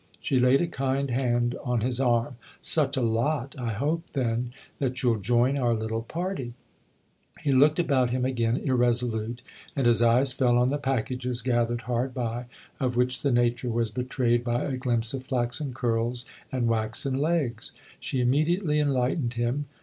She laid a kind hand on his arm. " Such a lot, I hope, then, that you'll join our little party ?" He looked about him again, irresolute, and his eyes fell on the packages gathered hard by, of which the nature was betrayed by a glimpse of flaxen curls and waxen legs. She immediately enlightened him.